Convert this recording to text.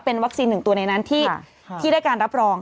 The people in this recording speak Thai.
เป็นวัคซีนหนึ่งตัวในนั้นที่ได้การรับรอง